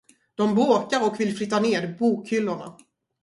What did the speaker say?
De bråkar och vill flytta ned bokhyllorna.